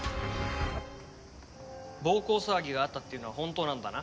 暴行騒ぎがあったっていうのは本当なんだな？